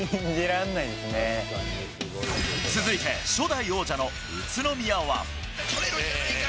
続いて、初代王者の宇都宮は。